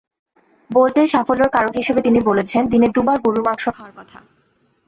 বোল্টের সাফল্যর কারণ হিসেবে তিনি বলেছেন, দিনে দুবার গরুর মাংস খাওয়ার কথা।